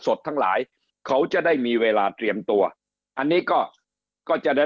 สดทั้งหลายเขาจะได้มีเวลาเตรียมตัวอันนี้ก็ก็จะเดิน